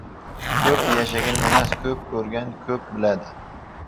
• Ko‘p yashagan emas, ko‘p ko‘rgan ko‘p biladi.